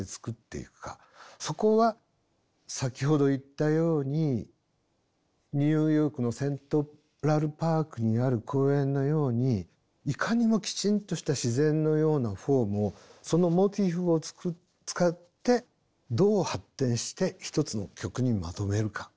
そこは先ほど言ったようにニューヨークのセントラルパークにある公園のようにいかにもきちんとした自然のようなフォームをそのモチーフを使ってどう発展して１つの曲にまとめるか。